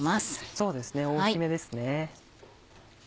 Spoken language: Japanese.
そうですね大きめですね。